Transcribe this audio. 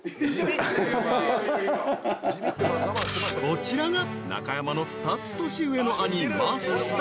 ［こちらが中山の２つ年上の兄マサシさん］